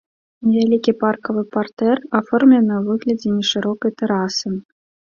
Невялікі паркавы партэр аформлены ў выглядзе нешырокай тэрасы.